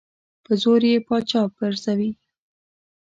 په زور یې پاچا پرزوي.